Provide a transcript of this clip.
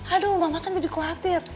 aduh mama kan jadi khawatir